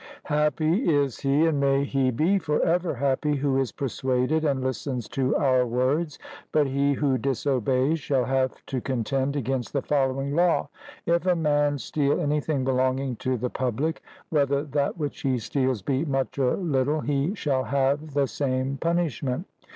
Happy is he and may he be for ever happy, who is persuaded and listens to our words; but he who disobeys shall have to contend against the following law: If a man steal anything belonging to the public, whether that which he steals be much or little, he shall have the same punishment.